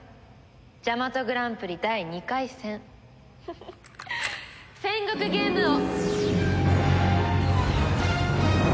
ジャマトグランプリ第２回戦戦国ゲームを！